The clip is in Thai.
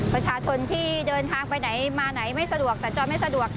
ประชาชนที่เดินทางไปไหนมาไหนไม่สะดวกแต่จอดไม่สะดวก